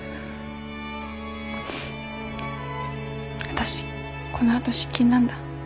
私このあと出勤なんだ。